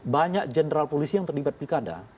banyak general polisi yang terlibat pilkada